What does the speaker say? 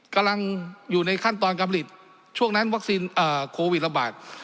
กำลังอยู่ในขั้นตอนการผลิตช่วงนั้นวัคซีนโควิดระบาด